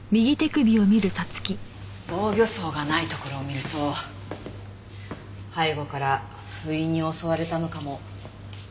防御創がないところを見ると背後から不意に襲われたのかも。